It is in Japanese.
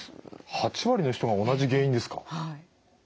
８割の人が同じ原因ですか。